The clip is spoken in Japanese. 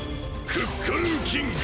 クックルンキング